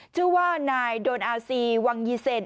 ชื่อว่านายโดนอาซีวังยีเซน